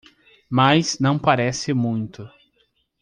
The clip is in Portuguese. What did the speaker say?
Mas não parece muito.